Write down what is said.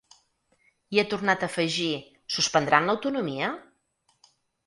I ha tornat a afegir: Suspendran l’autonomia?